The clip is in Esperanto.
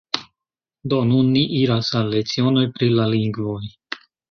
Do, nun ni iras al lecionoj pri la lingvoj